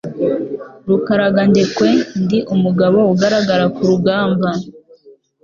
Rukaragandekwe, ndi umugabo ugaragara ku rugamba.